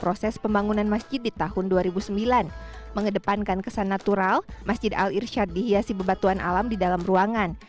proses pembangunan masjid di tahun dua ribu sembilan mengedepankan kesan natural masjid al irsyad dihiasi bebatuan alam di dalam ruangan